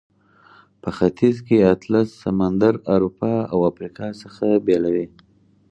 په ختیځ کې اطلس سمندر اروپا او افریقا څخه بیلوي.